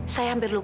saya hampir lupa